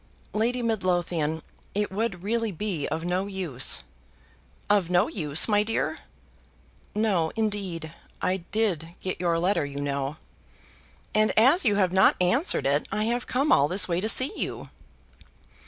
"Lady Midlothian, it would really be of no use." "Of no use, my dear!" "No, indeed. I did get your letter, you know." "And as you have not answered it, I have come all this way to see you."